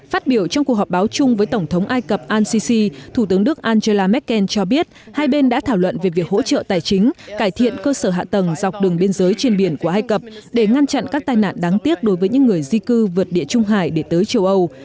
phát biểu trong cuộc họp báo chung với tổng thống ai cập al sisi thủ tướng đức angela merkel cho biết hai bên đã thảo luận về việc hỗ trợ tài chính cải thiện cơ sở hạ tầng dọc đường biên giới trên biển của ai cập để ngăn chặn các tai nạn đáng tiếc đối với những người di cư vượt địa trung hải để tới châu âu